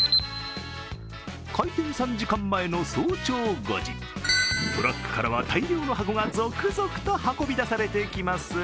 開店３時間前の早朝５時、トラックからは、大量の箱が続々と運び出されていきます。